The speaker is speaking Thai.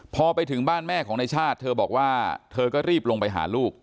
พอไปถึงบ้านแม่ของในชาติเธอบอกว่าเธอก็รีบลงไปหาลูก